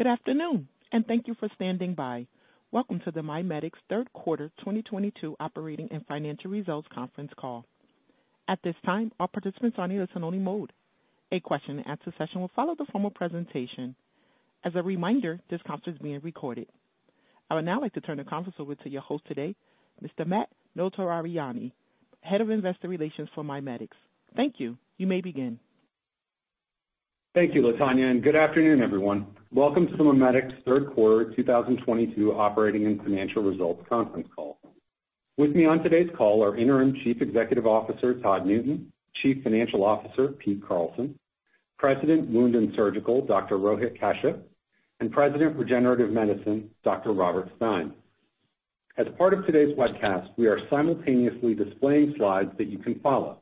Good afternoon, and thank you for standing by. Welcome to the MiMedx Q3 2022 operating and financial results conference call. At this time, all participants are in a listen-only mode. A Q&A session will follow the formal presentation. As a reminder, this conference is being recorded. I would now like to turn the conference over to your host today, Mr. Matt Notarianni, head of investor relations for MiMedx. Thank you. You may begin. Thank you, Latonya, and good afternoon, everyone. Welcome to MiMedx Q3 2022 operating and financial results conference call. With me on today's call are Interim Chief Executive Officer Todd Newton, Chief Financial Officer Pete Carlson, President, Wound and Surgical, Dr. Rohit Kashyap, and President, Regenerative Medicine, Dr. Robert Stein. As part of today's webcast, we are simultaneously displaying slides that you can follow.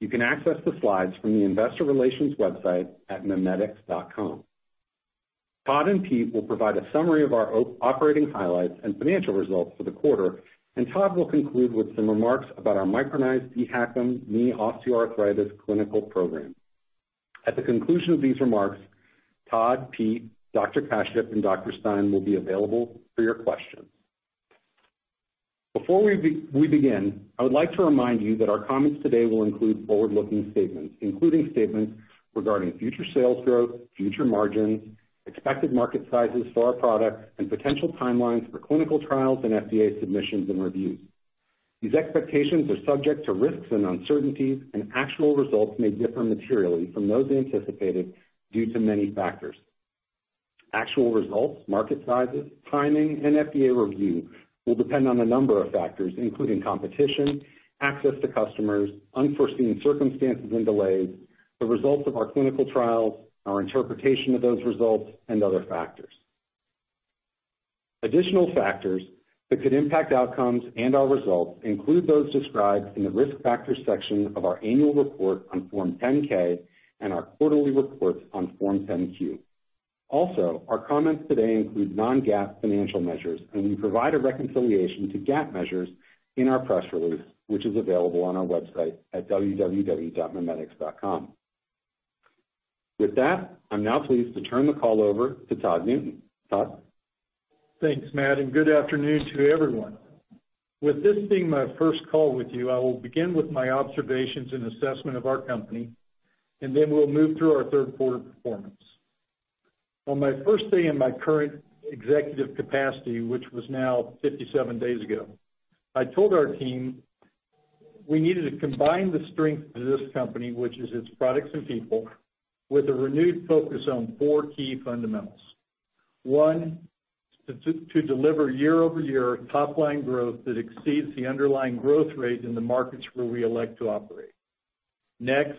You can access the slides from the investor relations website at mimedx.com. Todd and Pete will provide a summary of our operating highlights and financial results for the quarter, and Todd will conclude with some remarks about our Micronized dHACM Knee Osteoarthritis Clinical Program. At the conclusion of these remarks, Todd, Pete, Dr. Kashyap, and Dr. Stein will be available for your questions. Before we begin, I would like to remind you that our comments today will include forward-looking statements, including statements regarding future sales growth, future margins, expected market sizes for our products, and potential timelines for clinical trials and FDA submissions and reviews. These expectations are subject to risks and uncertainties, and actual results may differ materially from those anticipated due to many factors. Actual results, market sizes, timing, and FDA review will depend on a number of factors, including competition, access to customers, unforeseen circumstances and delays, the results of our clinical trials, our interpretation of those results, and other factors. Additional factors that could impact outcomes and our results include those described in the Risk Factors section of our annual report on Form 10-K and our quarterly reports on Form 10-Q. Also, our comments today include non-GAAP financial measures, and we provide a reconciliation to GAAP measures in our press release, which is available on our website at www.mimedx.com. With that, I'm now pleased to turn the call over to Todd Newton. Todd? Thanks, Matt, and good afternoon to everyone. With this being my first call with you, I will begin with my observations and assessment of our company, and then we'll move through our Q3 performance. On my first day in my current executive capacity, which was now 57 days ago, I told our team we needed to combine the strength of this company, which is its products and people, with a renewed focus on 4 key fundamentals. One, to deliver year-over-year top line growth that exceeds the underlying growth rate in the markets where we elect to operate. Next,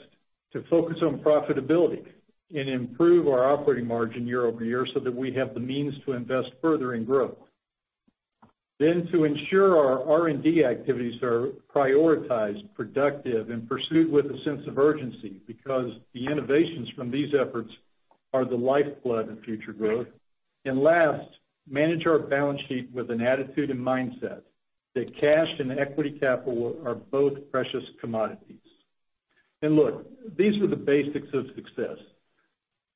to focus on profitability and improve our operating margin year-over-year so that we have the means to invest further in growth. To ensure our R&D activities are prioritized, productive, and pursued with a sense of urgency because the innovations from these efforts are the lifeblood of future growth. Last, manage our balance sheet with an attitude and mindset that cash and equity capital are both precious commodities. Look, these are the basics of success.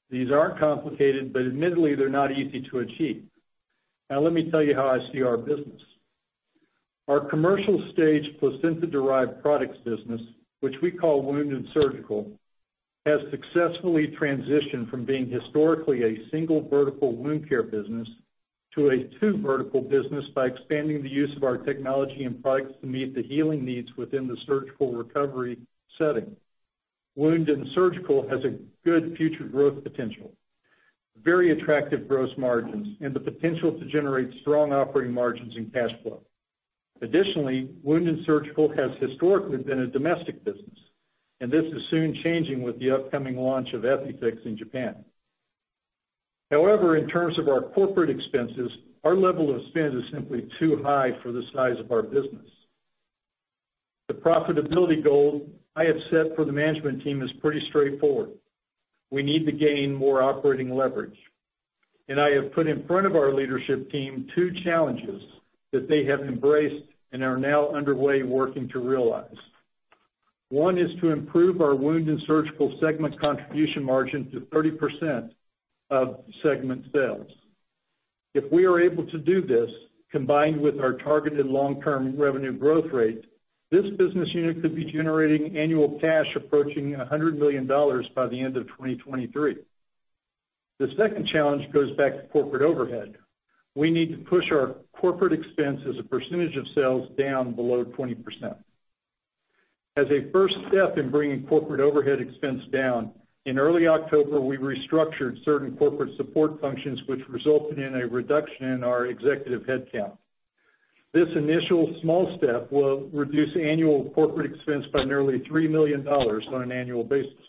These aren't complicated, but admittedly, they're not easy to achieve. Now let me tell you how I see our business. Our commercial stage placenta-derived products business, which we call Wound and Surgical, has successfully transitioned from being historically a single vertical wound care business to a 2 vertical business by expanding the use of our technology and products to meet the healing needs within the surgical recovery setting. Wound and Surgical has a good future growth potential, very attractive gross margins, and the potential to generate strong operating margins and cash flow. Additionally, Wound and Surgical has historically been a domestic business, and this is soon changing with the upcoming launch of EpiFix in Japan. However, in terms of our corporate expenses, our level of spend is simply too high for the size of our business. The profitability goal I have set for the management team is pretty straightforward. We need to gain more operating leverage, and I have put in front of our leadership team 2 challenges that they have embraced and are now underway working to realize. One is to improve our Wound and Surgical segment contribution margin to 30% of segment sales. If we are able to do this, combined with our targeted long-term revenue growth rate, this business unit could be generating annual cash approaching $100 million by the end of 2023. The second challenge goes back to corporate overhead. We need to push our corporate expense as a percentage of sales down below 20%. As a first step in bringing corporate overhead expense down, in early October, we restructured certain corporate support functions, which resulted in a reduction in our executive headcount. This initial small step will reduce annual corporate expense by nearly $3 million on an annual basis.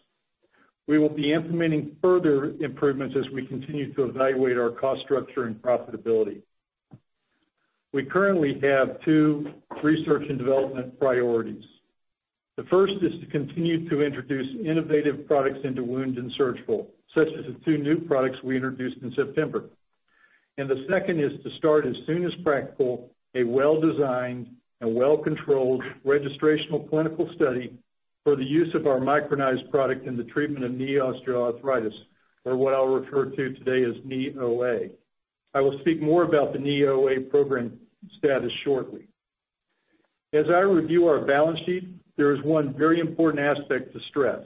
We will be implementing further improvements as we continue to evaluate our cost structure and profitability. We currently have 2 research and development priorities. The first is to continue to introduce innovative products into Wound and Surgical, such as the 2 new products we introduced in September. The second is to start as soon as practical, a well-designed and well-controlled registrational clinical study for the use of our micronized product in the treatment of knee osteoarthritis, or what I'll refer to today as knee OA. I will speak more about the Knee OA Program status shortly. As I review our balance sheet, there is one very important aspect to stress.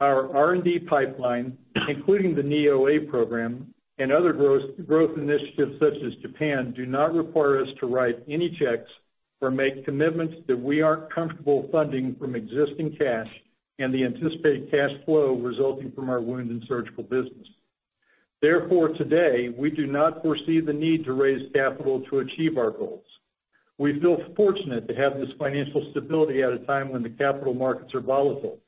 Our R&D pipeline, including the Knee OA Program and other high-growth initiatives such as Japan, do not require us to write any checks or make commitments that we aren't comfortable funding from existing cash and the anticipated cash flow resulting from our Wound and Surgical business. Therefore, today, we do not foresee the need to raise capital to achieve our goals. We feel fortunate to have this financial stability at a time when the capital markets are volatile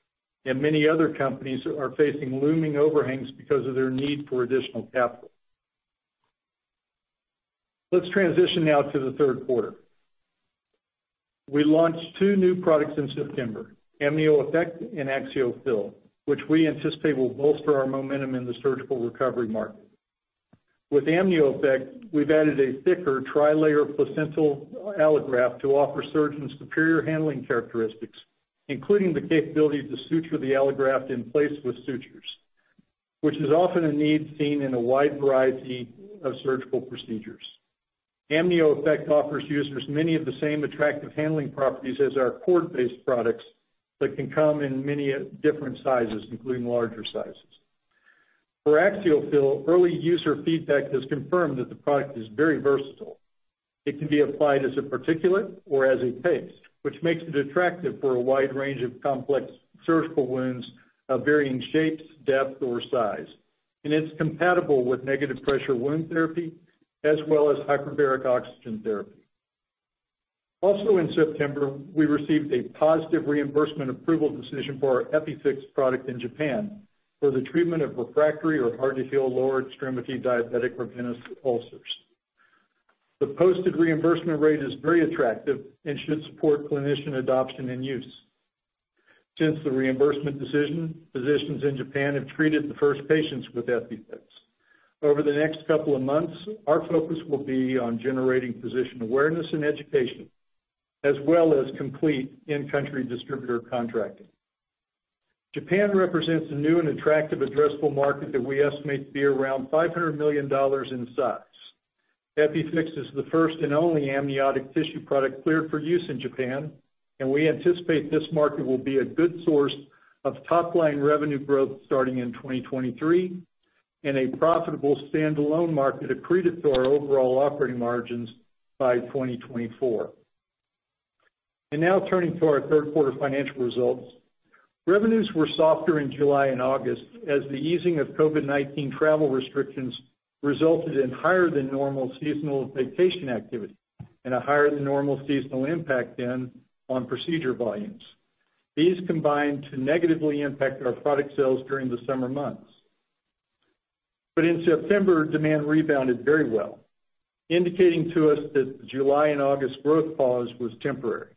and many other companies are facing looming overhangs because of their need for additional capital. Let's transition now to the Q3. We launched 2 new products in September, AmnioEffect and AxioFill, which we anticipate will bolster our momentum in the surgical recovery market. With AmnioEffect, we've added a thicker tri-layer placental allograft to offer surgeons superior handling characteristics, including the capability to suture the allograft in place with sutures, which is often a need seen in a wide variety of surgical procedures. AmnioEffect offers users many of the same attractive handling properties as our cord-based products that can come in many different sizes, including larger sizes. For AxioFill, early user feedback has confirmed that the product is very versatile. It can be applied as a particulate or as a paste, which makes it attractive for a wide range of complex surgical wounds of varying shapes, depth, or size. It's compatible with Negative Pressure Wound Therapy as well as Hyperbaric Oxygen Therapy. Also in September, we received a positive reimbursement approval decision for our EpiFix product in Japan for the treatment of refractory or hard to heal lower extremity diabetic or venous ulcers. The posted reimbursement rate is very attractive and should support clinician adoption and use. Since the reimbursement decision, physicians in Japan have treated the first patients with EpiFix. Over the next couple of months, our focus will be on generating physician awareness and education, as well as complete in-country distributor contracting. Japan represents a new and attractive addressable market that we estimate to be around $500 million in size. EpiFix is the first and only amniotic tissue product cleared for use in Japan, and we anticipate this market will be a good source of top-line revenue growth starting in 2023, and a profitable standalone market accretive to our overall operating margins by 2024. Now turning to our Q3 financial results. Revenues were softer in July and August as the easing of COVID-19 travel restrictions resulted in higher than normal seasonal vacation activity and a higher than normal seasonal impact then on procedure volumes. These combined to negatively impact our product sales during the summer months. In September, demand rebounded very well, indicating to us that the July and August growth pause was temporary.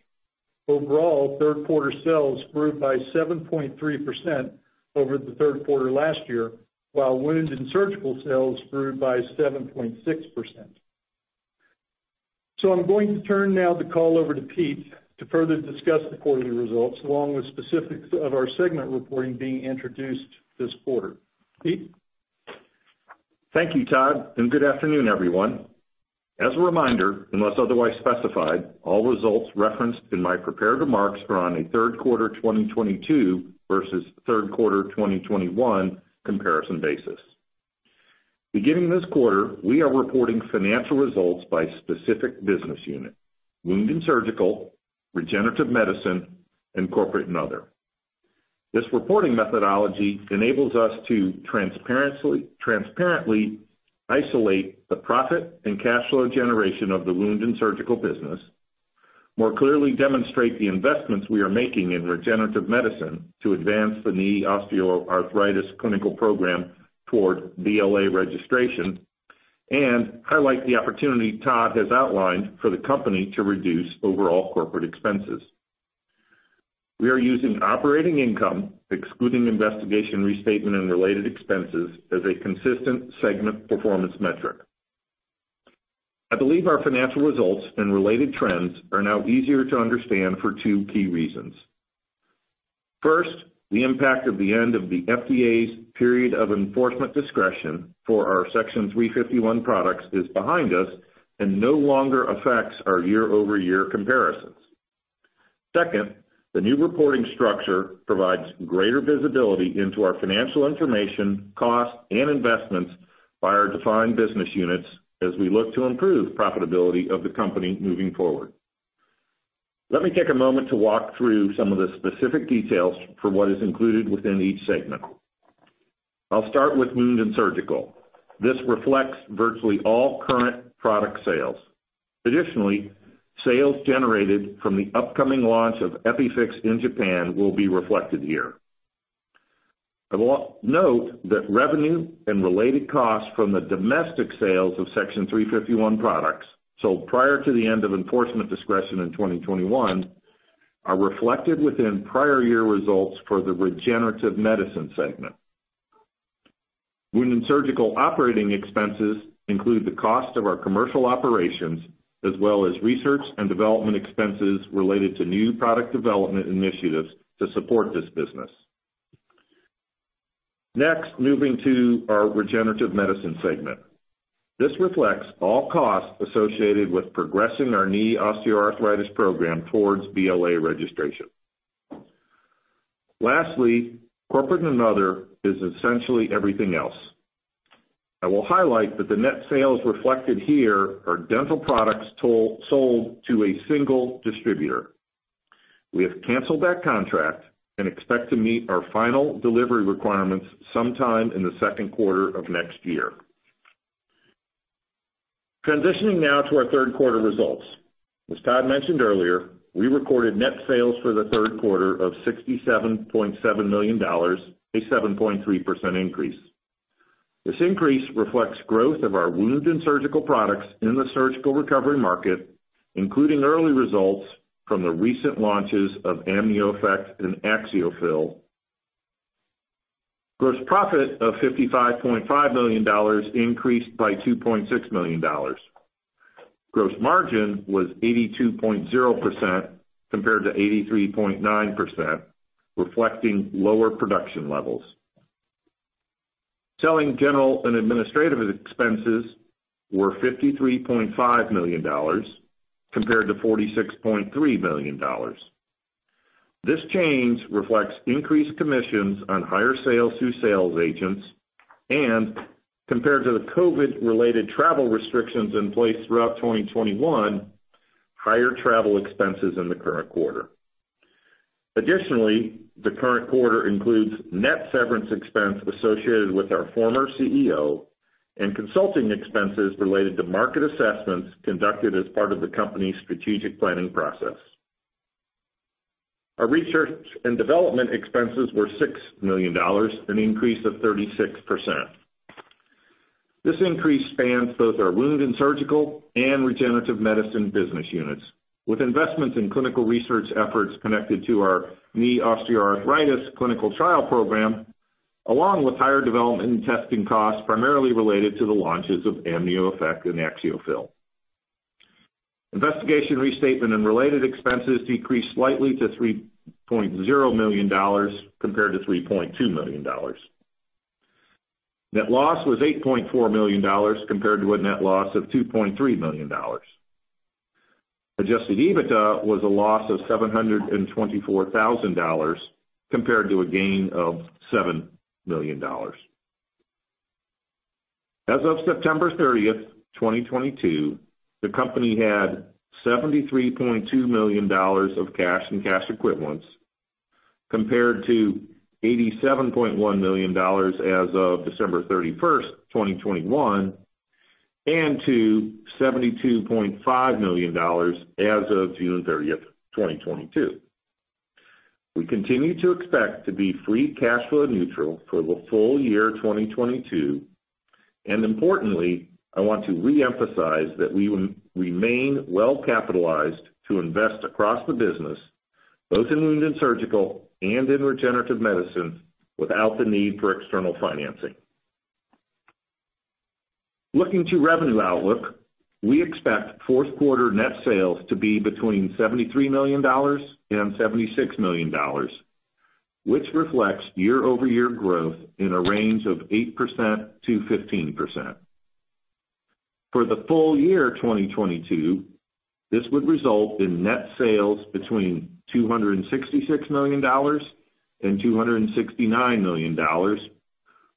Overall, Q3 sales grew by 7.3% over the Q3 last year, while Wound and Surgical sales grew by 7.6%. I'm going to turn now the call over to Pete to further discuss the quarterly results, along with specifics of our segment reporting being introduced this quarter. Pete? Thank you, Todd, and good afternoon, everyone. As a reminder, unless otherwise specified, all results referenced in my prepared remarks are on a Q3 2022 versus Q3 2021 comparison basis. Beginning this quarter, we are reporting financial results by specific business unit, Wound and Surgical, Regenerative Medicine, and corporate and other. This reporting methodology enables us to transparently isolate the profit and cash flow generation of the Wound and Surgical business, more clearly demonstrate the investments we are making in Regenerative Medicine to advance the Knee Osteoarthritis Clinical Program toward BLA registration, and highlight the opportunity Todd has outlined for the company to reduce overall corporate expenses. We are using operating income, excluding investigation restatement and related expenses as a consistent segment performance metric. I believe our financial results and related trends are now easier to understand for 2 key reasons. First, the impact of the end of the FDA's period of enforcement discretion for our Section 351 products is behind us and no longer affects our year-over-year comparisons. Second, the new reporting structure provides greater visibility into our financial information, costs, and investments by our defined business units as we look to improve profitability of the company moving forward. Let me take a moment to walk through some of the specific details for what is included within each segment. I'll start with Wound and Surgical. This reflects virtually all current product sales. Additionally, sales generated from the upcoming launch of EpiFix in Japan will be reflected here. I will note that revenue and related costs from the domestic sales of Section 351 products sold prior to the end of enforcement discretion in 2021 are reflected within prior year results for the Regenerative Medicine segment. Wound and Surgical operating expenses include the cost of our commercial operations, as well as research and development expenses related to new product development initiatives to support this business. Next, moving to our Regenerative Medicine segment. This reflects all costs associated with progressing our Knee Osteoarthritis Program towards BLA registration. Lastly, corporate and other is essentially everything else. I will highlight that the net sales reflected here are dental products sold to a single distributor. We have canceled that contract and expect to meet our final delivery requirements sometime in the Q2 of next year. Transitioning now to our Q3 results. As Todd mentioned earlier, we recorded net sales for the Q3 of $67.7 million, a 7.3% increase. This increase reflects growth of our Wound and Surgical products in the surgical recovery market, including early results from the recent launches of AmnioFix and AxioFill. Gross profit of $55.5 million increased by $2.6 million. Gross margin was 82.0% compared to 83.9%, reflecting lower production levels. Selling, general, and administrative expenses were $53.5 million compared to $46.3 million. This change reflects increased commissions on higher sales to sales agents and compared to the COVID-related travel restrictions in place throughout 2021, higher travel expenses in the current quarter. Additionally, the current quarter includes net severance expense associated with our former CEO and consulting expenses related to market assessments conducted as part of the company's strategic planning process. Our research and development expenses were $6 million, an increase of 36%. This increase spans both our Wound and Surgical and Regenerative Medicine business units, with investments in clinical research efforts connected to our knee Osteoarthritis Clinical Trial Program, along with higher development and testing costs primarily related to the launches of AmnioFix and AxioFill. Investigation restatement and related expenses decreased slightly to $3.0 million compared to $3.2 million. Net loss was $8.4 million compared to a net loss of $2.3 million. Adjusted EBITDA was a loss of $724,000 compared to a gain of $7 million. As of September 30, 2022, the company had $73.2 million of cash and cash equivalents compared to $87.1 million as of December 31, 2021, and to $72.5 million as of June 30, 2022. We continue to expect to be free cash flow neutral for the full year 2022. Importantly, I want to reemphasize that we remain well capitalized to invest across the business, both in Wound and Surgical and in Regenerative Medicine, without the need for external financing. Looking to revenue outlook, we expect Q4 net sales to be between $73 million and $76 million, which reflects year-over-year growth in a range of 8%-15%. For the full year 2022, this would result in net sales between $266 million and $269 million,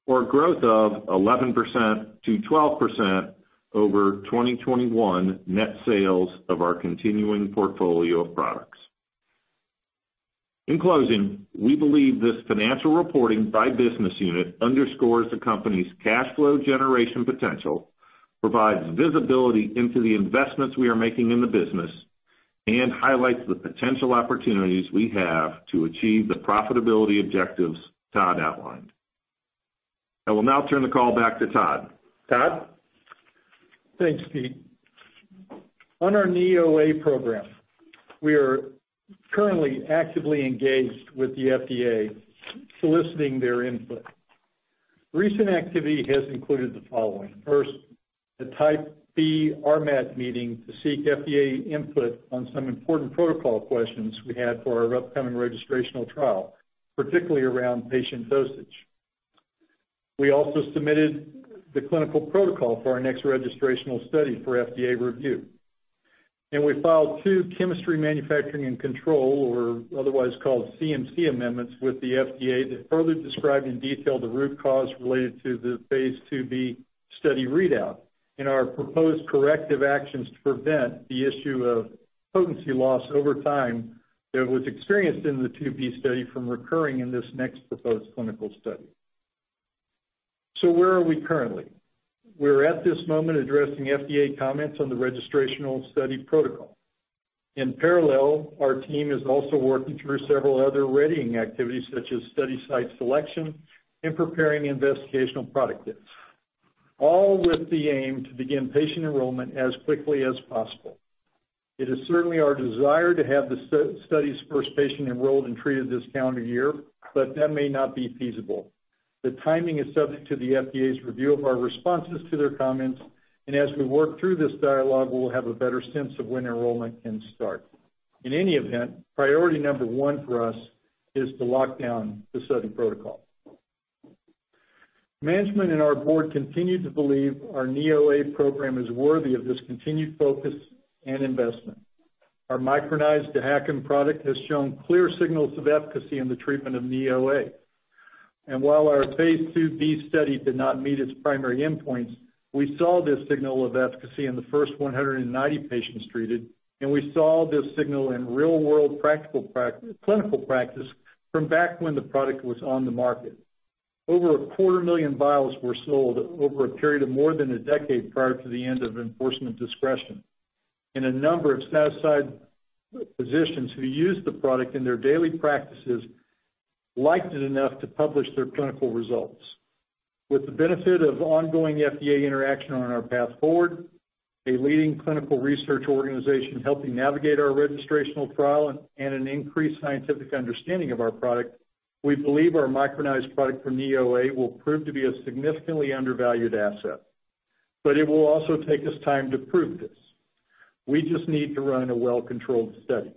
or growth of 11%-12% over 2021 net sales of our continuing portfolio of products. In closing, we believe this financial reporting by business unit underscores the company's cash flow generation potential, provides visibility into the investments we are making in the business, and highlights the potential opportunities we have to achieve the profitability objectives Todd outlined. I will now turn the call back to Todd. Todd? Thanks, Pete. On our knee OA Program, we are currently actively engaged with the FDA, soliciting their input. Recent activity has included the following. First, a Type B RMAT meeting to seek FDA input on some important protocol questions we had for our upcoming registrational trial, particularly around patient dosage. We also submitted the clinical protocol for our next registrational study for FDA review. We filed 2 chemistry, manufacturing, and control, or otherwise called CMC amendments, with the FDA that further describe in detail the root cause related to the phase 2B study readout and our proposed corrective actions to prevent the issue of potency loss over time that was experienced in the 2B study from recurring in this next proposed clinical study. Where are we currently? We're at this moment addressing FDA comments on the registrational study protocol. In parallel, our team is also working through several other readying activities such as study site selection and preparing investigational product kits. All with the aim to begin patient enrollment as quickly as possible. It is certainly our desire to have the study's first patient enrolled and treated this calendar year, but that may not be feasible. The timing is subject to the FDA's review of our responses to their comments, and as we work through this dialogue, we will have a better sense of when enrollment can start. In any event, priority number one for us is to lock down the study protocol. Management and our board continue to believe our knee OA Program is worthy of this continued focus and investment. Our micronized dHACM product has shown clear signals of efficacy in the treatment of knee OA. While our phase 2B study did not meet its primary endpoints, we saw this signal of efficacy in the first 190 patients treated, and we saw this signal in real-world practical clinical practice from back when the product was on the market. Over a quarter million vials were sold over a period of more than a decade prior to the end of enforcement discretion. In a number of satisfied physicians who used the product in their daily practices liked it enough to publish their clinical results. With the benefit of ongoing FDA interaction on our path forward, a leading clinical research organization helping navigate our registrational trial and an increased scientific understanding of our product, we believe our micronized product for knee OA will prove to be a significantly undervalued asset. It will also take us time to prove this. We just need to run a well-controlled study.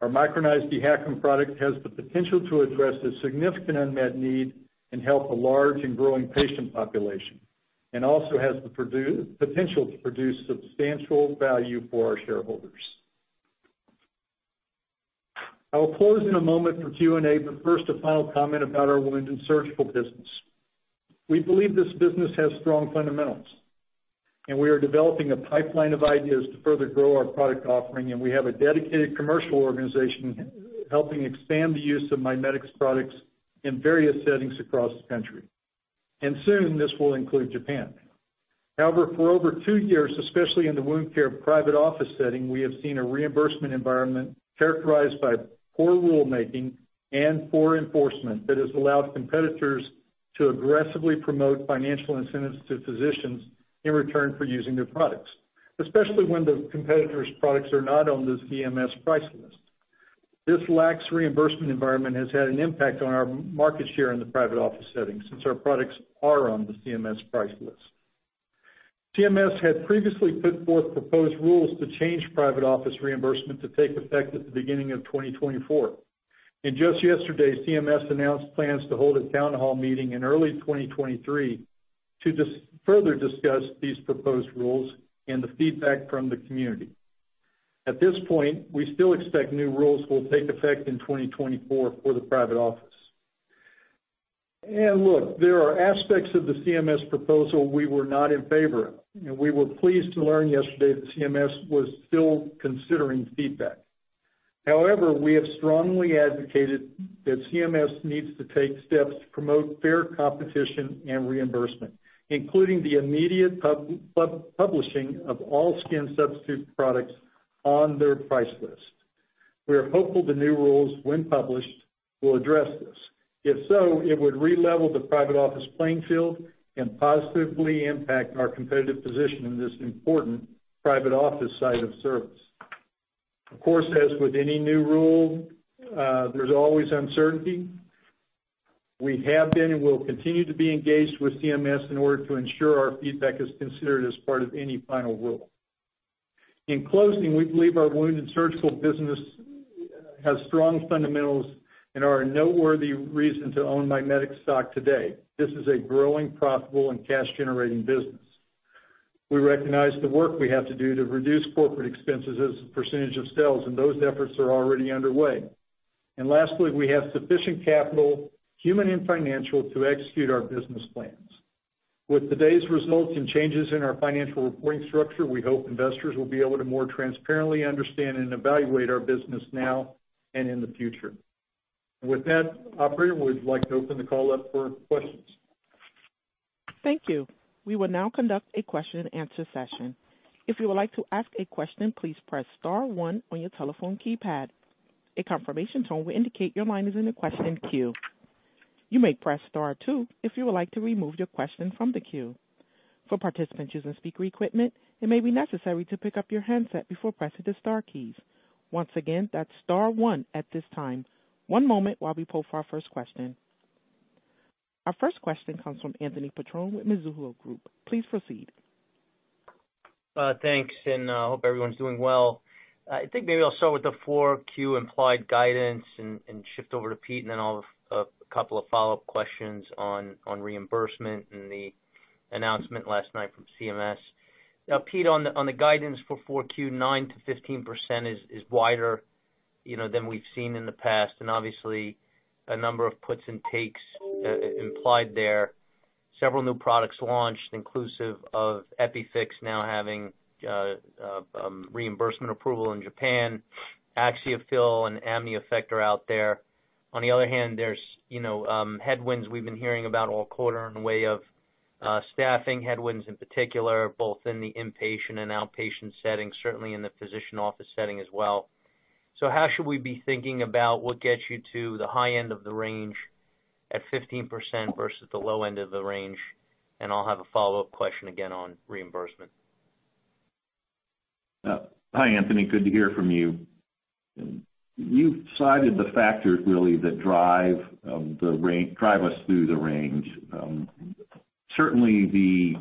Our micronized dHACM product has the potential to address a significant unmet need and help a large and growing patient population, and also has the potential to produce substantial value for our shareholders. I will pause in a moment for Q&A, but first, a final comment about our Wound and Surgical business. We believe this business has strong fundamentals, and we are developing a pipeline of ideas to further grow our product offering, and we have a dedicated commercial organization helping expand the use of MiMedx products in various settings across the country. Soon, this will include Japan. However, for over 2 years, especially in the wound care private office setting, we have seen a reimbursement environment characterized by poor rulemaking and poor enforcement that has allowed competitors to aggressively promote financial incentives to physicians in return for using their products, especially when the competitors' products are not on this CMS price list. This lax reimbursement environment has had an impact on our market share in the private office setting since our products are on the CMS price list. CMS had previously put forth proposed rules to change private office reimbursement to take effect at the beginning of 2024. Just yesterday, CMS announced plans to hold a town hall meeting in early 2023 to further discuss these proposed rules and the feedback from the community. At this point, we still expect new rules will take effect in 2024 for the private office. Look, there are aspects of the CMS proposal we were not in favor of, and we were pleased to learn yesterday that CMS was still considering feedback. However, we have strongly advocated that CMS needs to take steps to promote fair competition and reimbursement, including the immediate publishing of all skin substitute products on their price list. We are hopeful the new rules, when published, will address this. If so, it would re-level the private office playing field and positively impact our competitive position in this important private office site of service. Of course, as with any new rule, there's always uncertainty. We have been and will continue to be engaged with CMS in order to ensure our feedback is considered as part of any final rule. In closing, we believe our Wound and Surgical business has strong fundamentals and are a noteworthy reason to own MiMedx stock today. This is a growing, profitable and cash-generating business. We recognize the work we have to do to reduce corporate expenses as a percentage of sales, and those efforts are already underway. Lastly, we have sufficient capital, human and financial, to execute our business plans. With today's results and changes in our financial reporting structure, we hope investors will be able to more transparently understand and evaluate our business now and in the future. With that, operator, we'd like to open the call up for questions. Thank you. We will now conduct a Q&A session. If you would like to ask a question, please press star one on your telephone keypad. A confirmation tone will indicate your line is in the question queue. You may press star 2 if you would like to remove your question from the queue. For participants using speaker equipment, it may be necessary to pick up your handset before pressing the star keys. Once again, that's star one at this time. One moment while we poll for our first question. Our first question comes from Anthony Petrone with Mizuho Group. Please proceed. Thanks, hope everyone's doing well. I think maybe I'll start with the Q4 implied guidance and shift over to Pete, and then I'll have a couple of follow-up questions on reimbursement and the announcement last night from CMS. Now, Pete, on the guidance for Q4, 9%-15% is wider, you know, than we've seen in the past, and obviously a number of puts and takes implied there. Several new products launched inclusive of EpiFix now having reimbursement approval in Japan. AXIOFILL and AMNIOEFFECT are out there. On the other hand, there's, you know, headwinds we've been hearing about all quarter in the way of, staffing headwinds in particular, both in the inpatient and outpatient setting, certainly in the physician office setting as well. How should we be thinking about what gets you to the high end of the range at 15% versus the low end of the range? And I'll have a follow-up question again on reimbursement. Hi, Anthony. Good to hear from you. You've cited the factors really that drive us through the range. Certainly the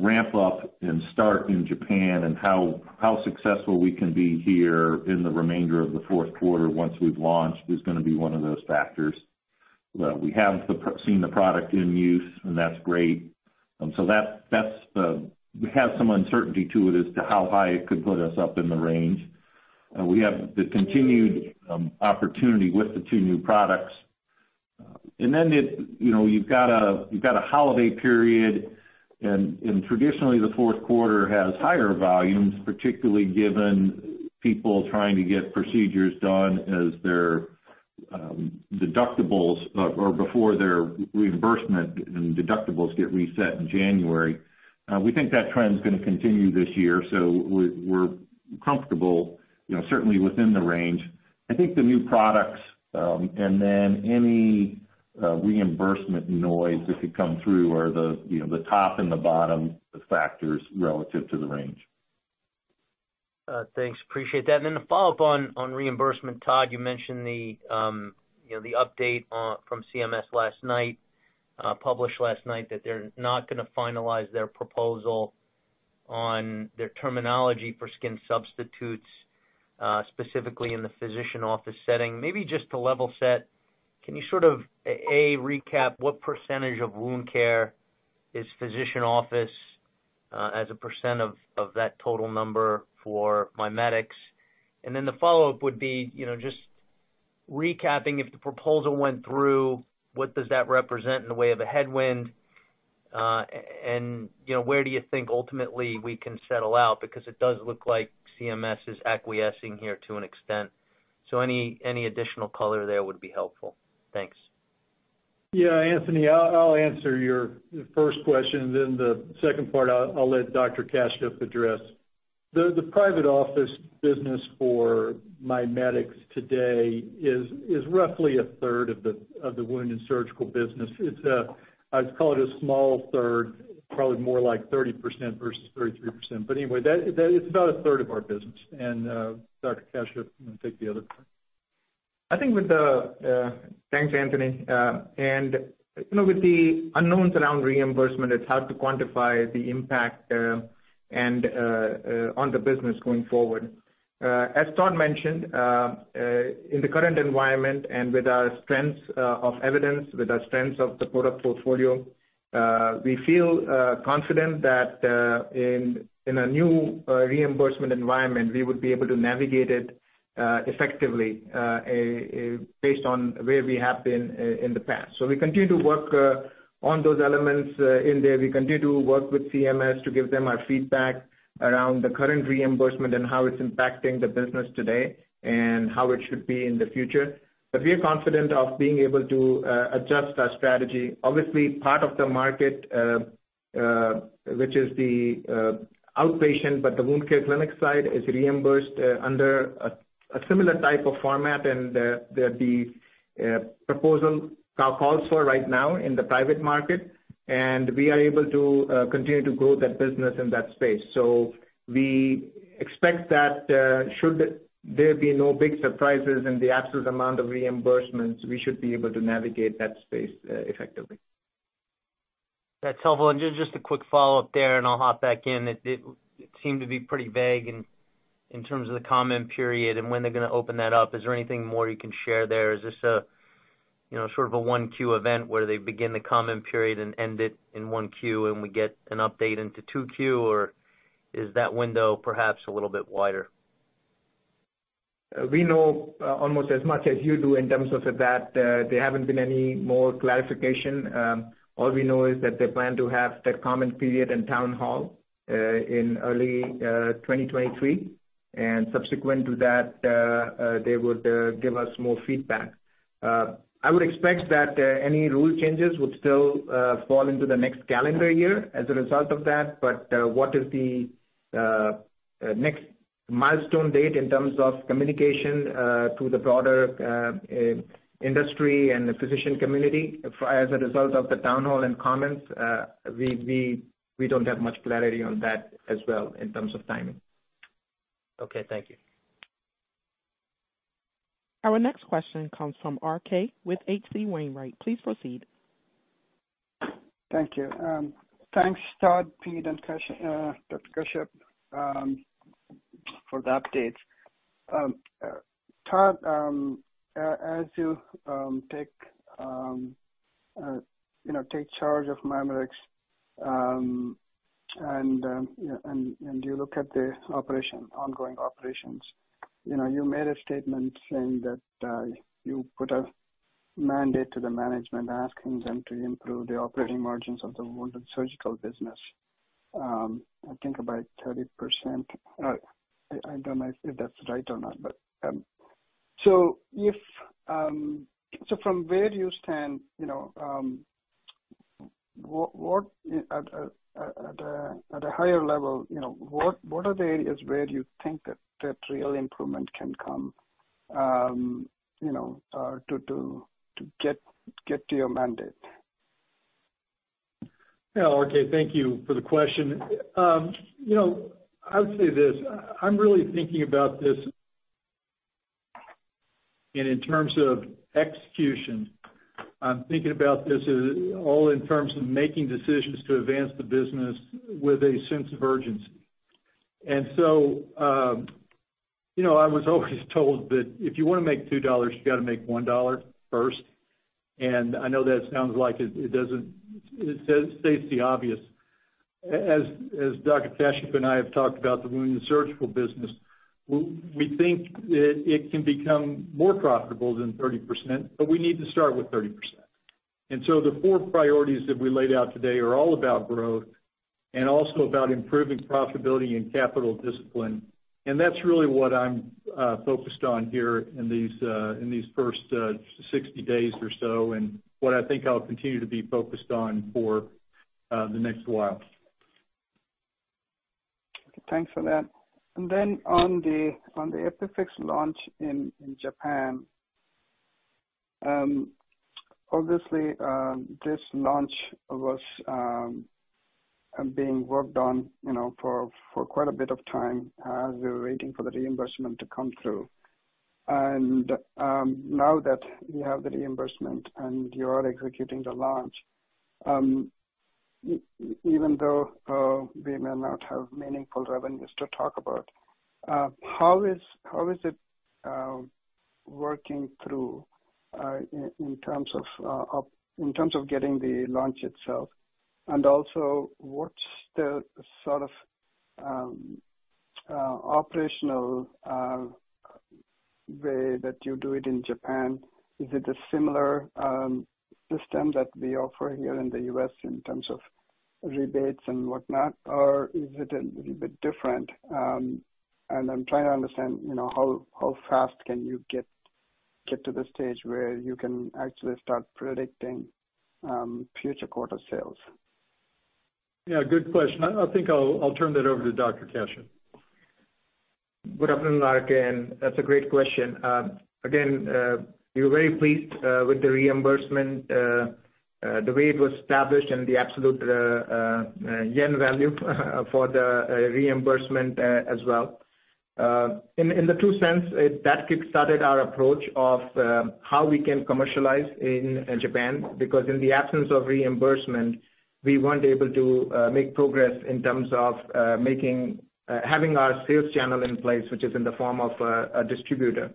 ramp up and start in Japan and how successful we can be here in the remainder of the Q4 once we've launched is gonna be one of those factors. We have seen the product in use, and that's great. That's the has some uncertainty to it as to how high it could put us up in the range. We have the continued opportunity with the 2 new products. It, you know, you've got a holiday period and traditionally the Q4 has higher volumes, particularly given people trying to get procedures done as their deductibles or before their reimbursement and deductibles get reset in January. We think that trend's gonna continue this year, so we're comfortable, you know, certainly within the range. I think the new products, and then any reimbursement noise that could come through or the, you know, the top and the bottom factors relative to the range. Thanks. Appreciate that. To follow up on reimbursement, Todd, you mentioned you know the update from CMS last night, published last night that they're not gonna finalize their proposal on their terminology for skin substitutes, specifically in the physician office setting. Maybe just to level set, can you sort of recap what percentage of wound care is physician office, as a percent of that total number for MiMedx? Then the follow-up would be, you know, just recapping if the proposal went through, what does that represent in the way of a headwind? You know, where do you think ultimately we can settle out? Because it does look like CMS is acquiescing here to an extent. Any additional color there would be helpful. Thanks. Yeah, Anthony, I'll answer your first question, and then the second part I'll let Dr. Kashyap address. The private office business for MiMedx today is roughly a third of the Wound and Surgical business. It's, I'd call it a small third, probably more like 30% versus 33%. Anyway, that is about a third of our business. Dr. Kashyap, you wanna take the other part? Thanks, Anthony. You know, with the unknowns around reimbursement, it's hard to quantify the impact and on the business going forward. As Todd mentioned, in the current environment and with our strengths of evidence, with our strengths of the product portfolio, we feel confident that in a new reimbursement environment, we would be able to navigate it effectively based on where we have been in the past. We continue to work on those elements in there. We continue to work with CMS to give them our feedback around the current reimbursement and how it's impacting the business today and how it should be in the future. We are confident of being able to adjust our strategy. Obviously, part of the market, which is the outpatient, but the wound care clinic side is reimbursed under a similar type of format and that the proposal calls for right now in the private market. We are able to continue to grow that business in that space. We expect that should there be no big surprises in the absolute amount of reimbursements, we should be able to navigate that space effectively. That's helpful. Just a quick follow-up there, and I'll hop back in. It seemed to be pretty vague in terms of the comment period and when they're gonna open that up. Is there anything more you can share there? Is this a, you know, sort of a one Q event where they begin the comment period and end it in one Q and we get an update into 2 Q? Or is that window perhaps a little bit wider? We know almost as much as you do in terms of that. There haven't been any more clarification. All we know is that they plan to have that comment period and town hall in early 2023. Subsequent to that, they would give us more feedback. I would expect that any rule changes would still fall into the next calendar year as a result of that. What is the next milestone date in terms of communication to the broader industry and the physician community as a result of the town hall and comments? We don't have much clarity on that as well in terms of timing. Okay. Thank you. Our next question comes from R.K. with H.C. Wainwright & Co. Please proceed. Thank you. Thanks, Todd, Pete, and Dr. Kashyap, for the updates. Todd, as you take charge of MiMedx, and you look at the ongoing operations, you know, you made a statement saying that you put a mandate to the management asking them to improve the operating margins of the Wound and Surgical business, I think about 30%. I don't know if that's right or not. If from where you stand, you know, what at a higher level, you know, what are the areas where you think that real improvement can come, you know, to get to your mandate? Yeah, R.K., thank you for the question. You know, I would say this, I'm really thinking about this. In terms of execution, I'm thinking about this as all in terms of making decisions to advance the business with a sense of urgency. You know, I was always told that if you wanna make $2, you gotta make $1 first. I know that sounds like it doesn't state the obvious. As Dr. Kashyap and I have talked about the wound surgical business, we think that it can become more profitable than 30%, but we need to start with 30%. The 4 priorities that we laid out today are all about growth and also about improving profitability and capital discipline. That's really what I'm focused on here in these first 60 days or so, and what I think I'll continue to be focused on for the next while. Thanks for that. On the EpiFix launch in Japan, obviously, this launch was being worked on, you know, for quite a bit of time as we were waiting for the reimbursement to come through. Now that you have the reimbursement and you are executing the launch, even though we may not have meaningful revenues to talk about, how is it working through in terms of getting the launch itself? Also what's the sort of operational way that you do it in Japan? Is it a similar system that we offer here in the U.S. in terms of rebates and whatnot, or is it a little bit different? I'm trying to understand, you know, how fast can you get to the stage where you can actually start predicting future quarter sales? Yeah, good question. I think I'll turn that over to Dr. Kashyap. Good afternoon, Ulke, and that's a great question. Again, we're very pleased with the reimbursement, the way it was established and the absolute yen value for the reimbursement, as well. In the true sense, it that kickstarted our approach of how we can commercialize in Japan. Because in the absence of reimbursement, we weren't able to make progress in terms of having our sales channel in place, which is in the form of a distributor.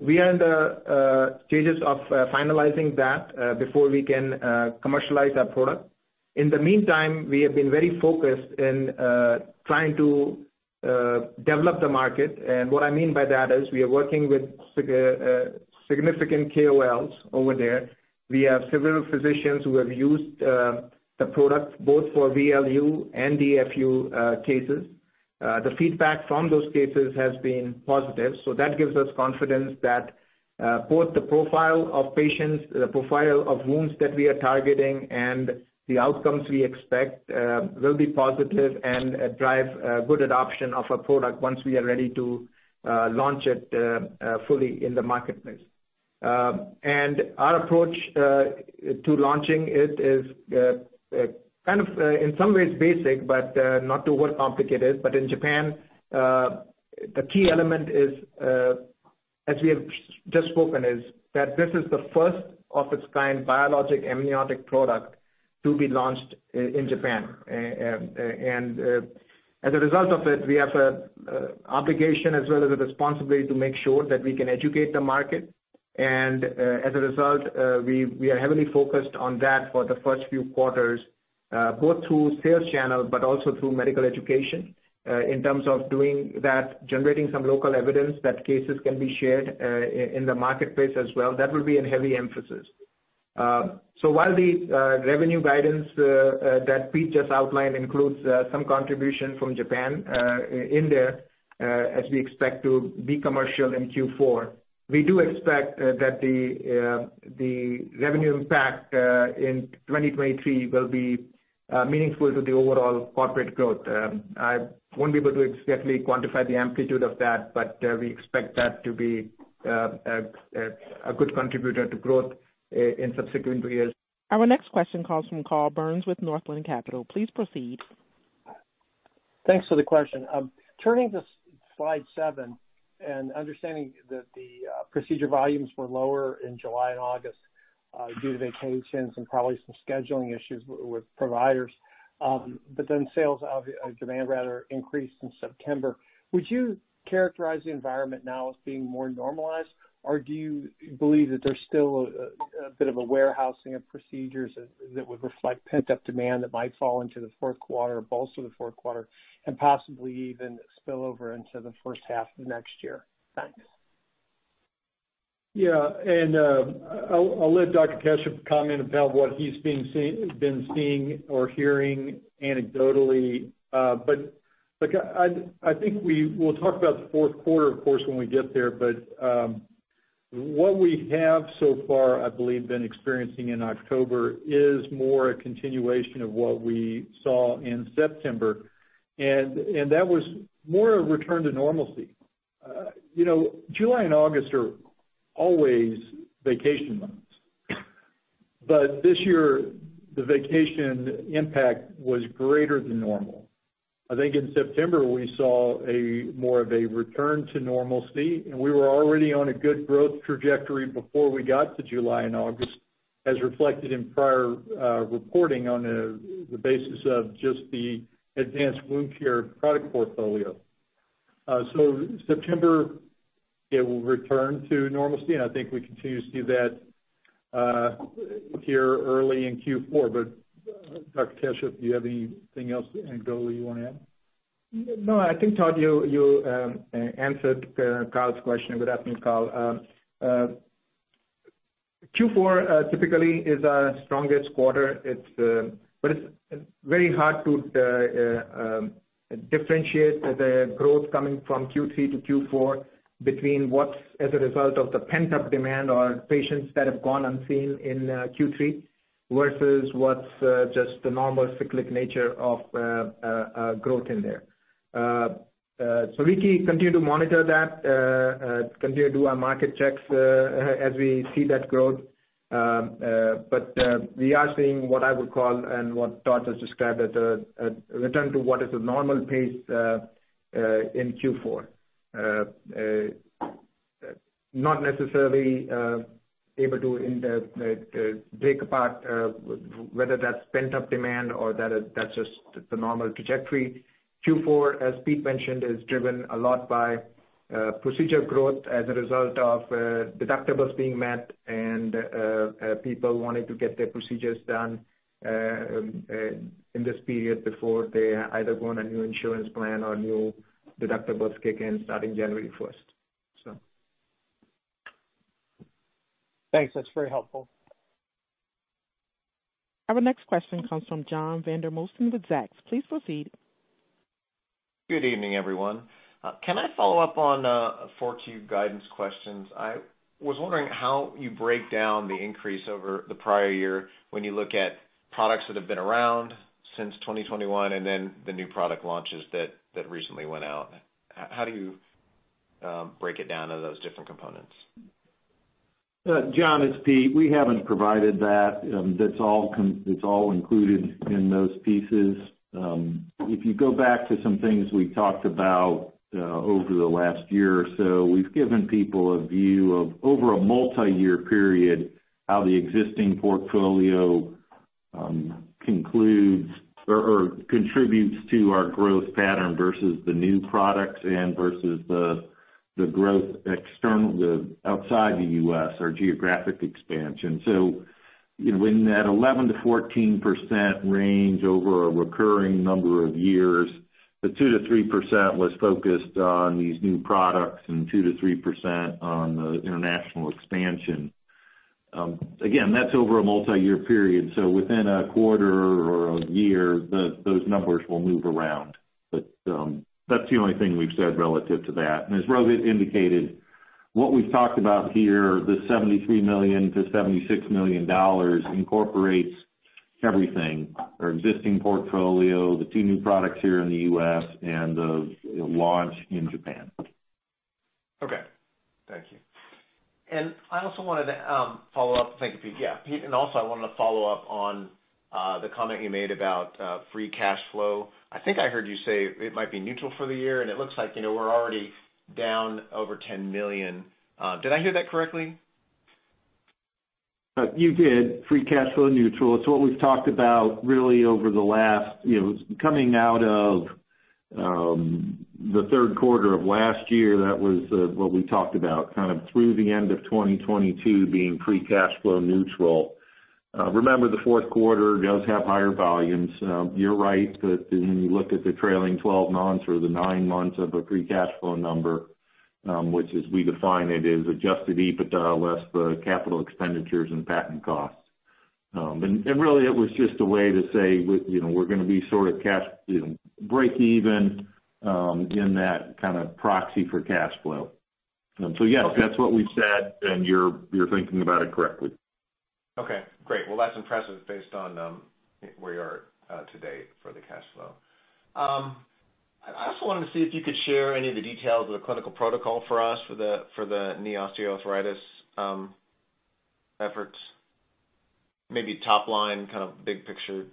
We are in the stages of finalizing that before we can commercialize our product. In the meantime, we have been very focused on trying to develop the market. What I mean by that is we are working with significant KOLs over there. We have several physicians who have used the product both for VLU and DFU cases. The feedback from those cases has been positive, so that gives us confidence that both the profile of patients, the profile of wounds that we are targeting and the outcomes we expect will be positive and drive good adoption of our product once we are ready to launch it fully in the marketplace. Our approach to launching it is kind of in some ways basic, but not to overcomplicate it. In Japan, the key element is, as we have just spoken, is that this is the first of its kind biologic amniotic product to be launched in Japan. As a result of it, we have a obligation as well as a responsibility to make sure that we can educate the market. As a result, we are heavily focused on that for the first few quarters, both through sales channel but also through medical education. In terms of doing that, generating some local evidence that cases can be shared, in the marketplace as well, that will be a heavy emphasis. While the revenue guidance that Pete just outlined includes some contribution from Japan, in there, as we expect to be commercial in Q4, we do expect that the revenue impact in 2023 will be meaningful to the overall corporate growth. I won't be able to exactly quantify the amplitude of that, but we expect that to be a good contributor to growth in subsequent years. Our next question comes from Carl Byrnes with Northland Capital Markets. Please proceed. Thanks for the question. Turning to slide 7 and understanding that the procedure volumes were lower in July and August due to vacations and probably some scheduling issues with providers, but then demand rather increased in September. Would you characterize the environment now as being more normalized, or do you believe that there's still a bit of a warehousing of procedures that would reflect pent-up demand that might fall into the Q4 or most of the Q4 and possibly even spill over into the H1 of next year? Thanks. Yeah. I'll let Dr. Kashyap comment about what he's been seeing or hearing anecdotally. But look, I think we will talk about the Q4, of course, when we get there, but What we have so far, I believe, been experiencing in October is more a continuation of what we saw in September, and that was more a return to normalcy. You know, July and August are always vacation months. This year, the vacation impact was greater than normal. I think in September, we saw more of a return to normalcy, and we were already on a good growth trajectory before we got to July and August, as reflected in prior reporting on the basis of just the advanced wound care product portfolio. September, it will return to normalcy, and I think we continue to see that here early in Q4. Dr. Kashyap, do you have anything else, any goal you wanna add? No, I think, Todd, you answered Carl's question. Good afternoon, Carl. Q4 typically is our strongest quarter, but it's very hard to differentiate the growth coming from Q3-Q4 between what's as a result of the pent-up demand or patients that have gone unseen in Q3 versus what's just the normal cyclic nature of growth in there. We continue to monitor that, continue to do our market checks as we see that growth. We are seeing what I would call and what Todd has described as a return to what is a normal pace in Q4. Not necessarily able to break apart whether that's pent-up demand or that's just the normal trajectory. Q4, as Pete mentioned, is driven a lot by procedure growth as a result of deductibles being met and people wanting to get their procedures done in this period before they either go on a new insurance plan or new deductibles kick in starting January first. Thanks. That's very helpful. Our next question comes from John Vandermosten with Zacks. Please proceed. Good evening, everyone. Can I follow up on 40 guidance questions? I was wondering how you break down the increase over the prior year when you look at products that have been around since 2021 and then the new product launches that recently went out. How do you break it down to those different components? John, it's Pete. We haven't provided that. That's all included in those pieces. If you go back to some things we talked about over the last year or so, we've given people a view of over a multiyear period, how the existing portfolio concludes or contributes to our growth pattern versus the new products and versus the growth outside the U.S., our geographic expansion. You know, in that 11%-14% range over a recurring number of years, the 2%-3% was focused on these new products and 2%-3% on the international expansion. Again, that's over a multiyear period. Within a quarter or a year, those numbers will move around. That's the only thing we've said relative to that. As Rohit indicated, what we've talked about here, the $73 million-$76 million incorporates everything, our existing portfolio, the 2 new products here in the U.S. and the launch in Japan. Okay. Thank you. I also wanted to follow up. Thank you, Pete. Yeah. Pete, I wanted to follow up on the comment you made about free cash flow. I think I heard you say it might be neutral for the year, and it looks like, you know, we're already down over $10 million. Did I hear that correctly? You did. Free cash flow neutral. It's what we've talked about really over the last, you know, coming out of the Q3 of last year, that was what we talked about, kind of through the end of 2022 being free cash flow neutral. Remember, the Q4 does have higher volumes. You're right that when you look at the trailing 12 months or the 9 months of a free cash flow number, which as we define it, is Adjusted EBITDA less the capital expenditures and patent costs. And really, it was just a way to say, we, you know, we're gonna be sort of cash, you know, breakeven in that kind of proxy for cash flow. Yes, that's what we've said, and you're thinking about it correctly. Okay, great. Well, that's impressive based on where you are today for the cash flow. I also wanted to see if you could share any of the details of the clinical protocol for us for the knee osteoarthritis efforts, maybe top line, kind of big picture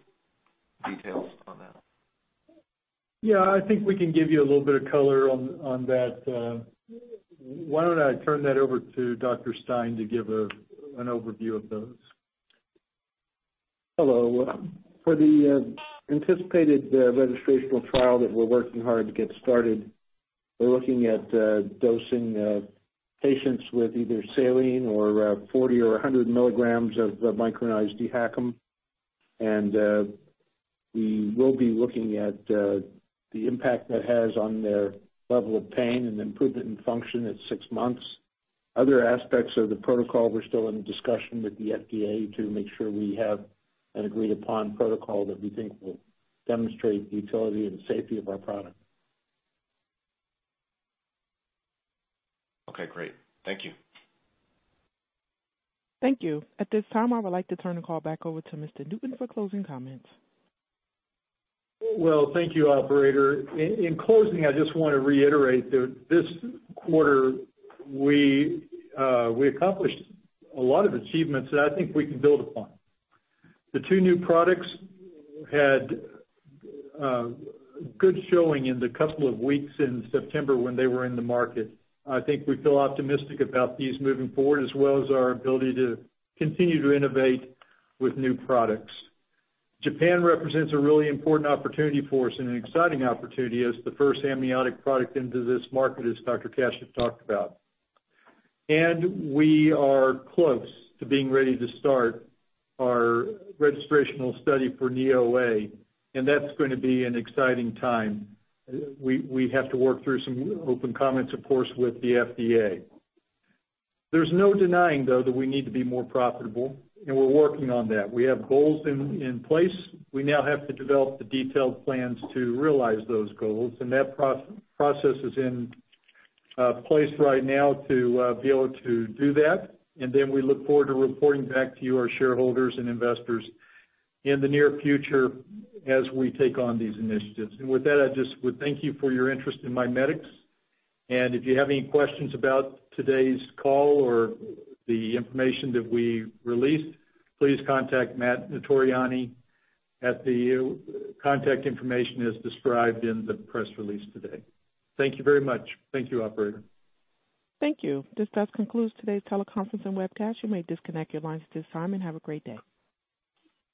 details on that. Yeah. I think we can give you a little bit of color on that. Why don't I turn that over to Dr. Stein to give an overview of those? Hello. For the anticipated registrational trial that we're working hard to get started, we're looking at dosing patients with either saline or 40 or 100 milligrams of micronized dHACM. We will be looking at the impact that has on their level of pain and improvement in function at 6 months. Other aspects of the protocol, we're still in discussion with the FDA to make sure we have an agreed upon protocol that we think will demonstrate the utility and safety of our product. Okay, great. Thank you. Thank you. At this time, I would like to turn the call back over to Mr. Newton for closing comments. Well, thank you, operator. In closing, I just want to reiterate that this quarter we accomplished a lot of achievements that I think we can build upon. The 2 new products had good showing in the couple of weeks in September when they were in the market. I think we feel optimistic about these moving forward, as well as our ability to continue to innovate with new products. Japan represents a really important opportunity for us and an exciting opportunity as the first amniotic product into this market, as Dr. Kash has talked about. We are close to being ready to start our registrational study for Knee OA, and that's gonna be an exciting time. We have to work through some open comments, of course, with the FDA. There's no denying, though, that we need to be more profitable, and we're working on that. We have goals in place. We now have to develop the detailed plans to realize those goals, and that process is in place right now to be able to do that. We look forward to reporting back to you, our shareholders and investors, in the near future as we take on these initiatives. With that, I just would thank you for your interest in MiMedx. If you have any questions about today's call or the information that we released, please contact Matt Notarianni at the contact information as described in the press release today. Thank you very much. Thank you, operator. Thank you. This does conclude today's teleconference and webcast. You may disconnect your lines at this time, and have a great day.